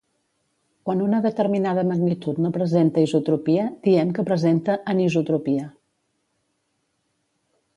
Quan una determinada magnitud no presenta isotropia diem que presenta anisotropia.